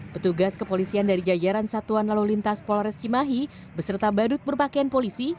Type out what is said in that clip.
petugas kepolisian dari jajaran satuan lalu lintas polres cimahi beserta badut berpakaian polisi